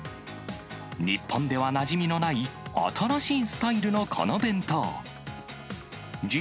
日本ではなじみのない新しいスタイルのこの弁当。